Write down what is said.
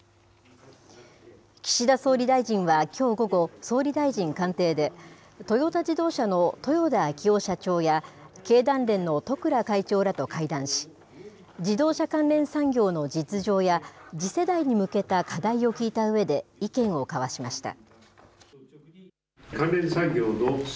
岸田総理大臣はきょう午後、総理大臣官邸で、トヨタ自動車の豊田章男社長や、経団連の十倉会長らと会談し、自動車関連産業の実情や、次世代に向けた課題を聞いたうえで、意見を交わしました。